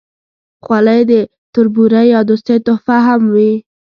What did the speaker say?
خولۍ د تربورۍ یا دوستۍ تحفه هم وي.